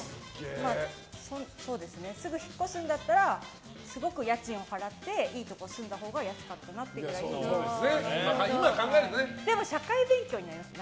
すぐ引っ越すんだったらすごく家賃を払っていいところに住んだほうが安かったなって思いました。